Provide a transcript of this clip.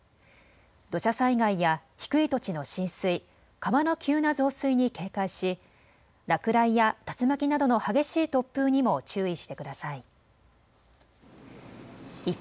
土砂災害や低い土地の浸水、川の急な増水に警戒し落雷や竜巻などの激しい突風にも注意してください。